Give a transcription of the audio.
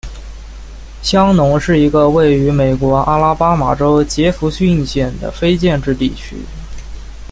香农是一个位于美国阿拉巴马州杰佛逊县的非建制地区。